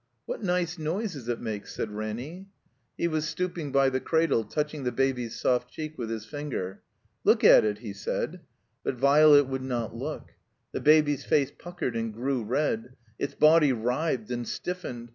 "What nice noises it makes/' said Ranny. He was stooping by the cradle, touching the Baby's soft cheek with his finger. "Look at it," he said. But Violet wotdd not look. The Baby's face puckered and grew red. Its body writhed and stiffened.